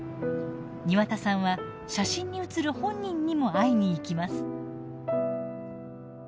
庭田さんは写真に写る本人にも会いに行きます。